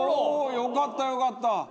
よかったよかった！